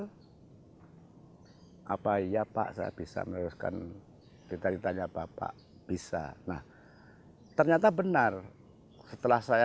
hai apa iya pak saya bisa merusakkan kita ditanya bapak bisa nah ternyata benar setelah saya